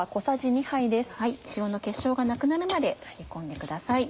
塩の結晶がなくなるまですり込んでください。